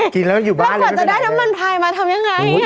กินแล้วมันอยู่บ้านเลยไม่เป็นไรเนี่ยแล้วก่อนจะได้น้ำมันพรายมาทำยังไง